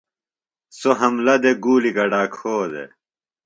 سوۡ حملہ دےۡ گُولیۡ گڈا کھو دےۡ۔